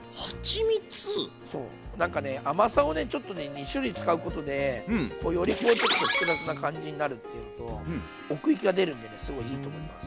２種類使うことでよりこうちょっと複雑な感じになるっていうのと奥行きが出るんでねすごいいいと思います。